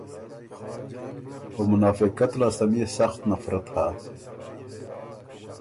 او منافقت لاسته ميې سخت نفرت هۀ۔